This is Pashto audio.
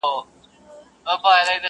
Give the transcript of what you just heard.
ګوښه پروت وو د مېږیانو له آزاره؛